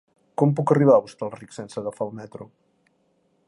Com puc arribar a Hostalric sense agafar el metro?